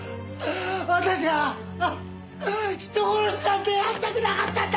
私は人殺しなんてやりたくなかったんだ！